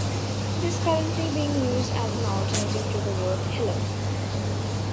It is currently being used as an alternative to the word Hello.